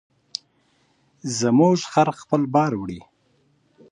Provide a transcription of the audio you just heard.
زموږ خر خپل بار وړي.